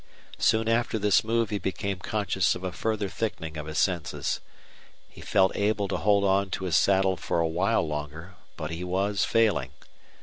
Soon after this move he became conscious of a further thickening of his senses. He felt able to hold on to his saddle for a while longer, but he was failing.